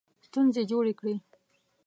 ستونزې جوړې کړې.